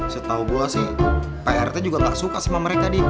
setau gua sih pak rete juga tak suka sama mereka di